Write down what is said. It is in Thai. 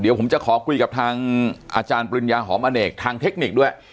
เดี๋ยวผมจะขอคุยกับทางอาจารย์ปริญญาหอมอเนกทางเทคนิคด้วย